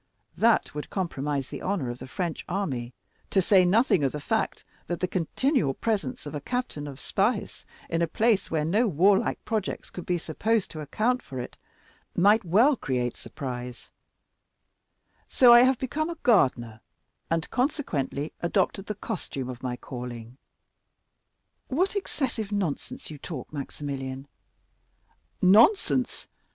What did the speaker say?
That would compromise the honor of the French army, to say nothing of the fact that the continual presence of a captain of Spahis in a place where no warlike projects could be supposed to account for it might well create surprise; so I have become a gardener, and, consequently, adopted the costume of my calling." "What excessive nonsense you talk, Maximilian!" "Nonsense?